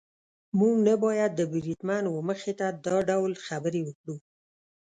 موږ نه باید د بریدمن وه مخې ته دا ډول خبرې وکړو.